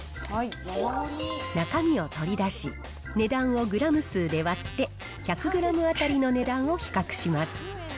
中身を取り出し、値段をグラム数で割って、１００グラム当たりの値段を比較します。